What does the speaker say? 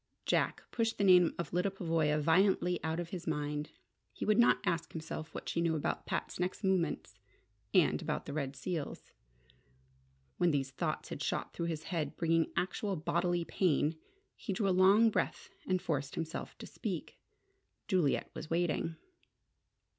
Jack pushed the name of Lyda Pavoya violently out of his mind. He would not ask himself what she knew about Pat's next movements and about the red seals. When these thoughts had shot through his head, bringing actual bodily pain, he drew a long breath, and forced himself to speak. Juliet was waiting!